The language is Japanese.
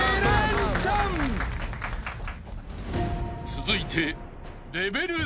［続いて］